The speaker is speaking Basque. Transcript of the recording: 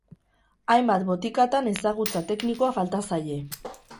Hainbat botikatan ezagutza teknikoa falta zaie.